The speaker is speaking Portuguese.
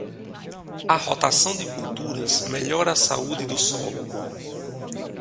A rotação de culturas melhora a saúde do solo.